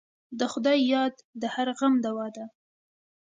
د خدای یاد د هر غم دوا ده.